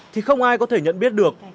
thì không ai có thể nhận biết được